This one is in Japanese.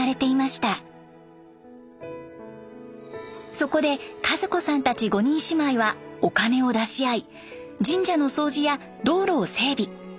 そこで和子さんたち５人姉妹はお金を出し合い神社の掃除や道路を整備。